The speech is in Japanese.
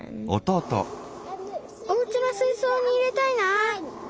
おうちのすいそうに入れたいな。